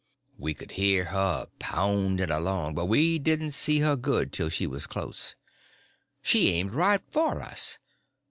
We could hear her pounding along, but we didn't see her good till she was close. She aimed right for us.